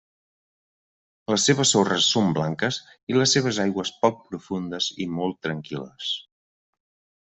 Les seves sorres són blanques i les seves aigües poc profundes i molt tranquil·les.